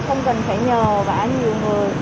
không cần phải nhờ bả nhiều người